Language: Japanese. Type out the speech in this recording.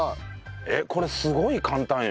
えっこれすごい簡単よ。